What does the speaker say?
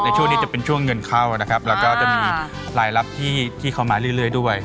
ช่วงนี้จะเป็นช่วงเงินเข้านะครับแล้วก็จะมีรายรับที่เข้ามาเรื่อยด้วย